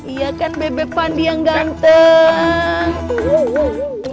iya kan bebe pandi yang ganteng